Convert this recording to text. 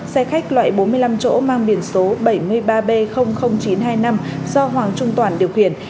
xe khách loại bốn mươi năm chỗ mang biển số bảy mươi ba b chín trăm hai mươi năm do hoàng trung toàn điều khiển